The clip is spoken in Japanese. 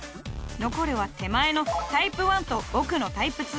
残るは手前のタイプ１と奥のタイプ２。